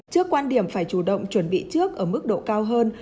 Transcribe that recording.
trước quan điểm phải chủ động chuẩn bị trước ở mức độ cao hơn